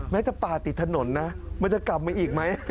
จะป่าติดถนนนะมันจะกลับมาอีกไหม